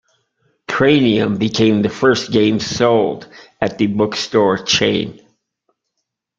"Cranium" became the first game sold at the bookstore chain.